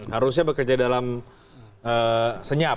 harusnya bekerja dalam senyap